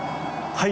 はい。